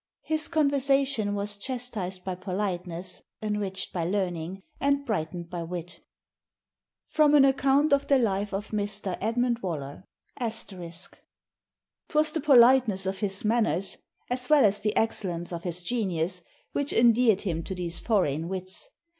His conversation was chatised by politeness, enriched by learning, and brightened by wit." [Sidenote: An account of the life of Mr. Edmund Waller. *] "'Twas the politeness of his manners, as well as the excellence of his genius, which endeared him to these foreign wits.